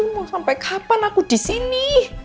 mau sampai kapan aku disini